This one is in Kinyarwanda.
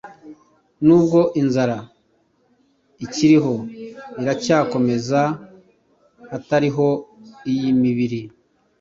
Nubwo inzara ikiriho iracyakomezaHatariho iyi mibiri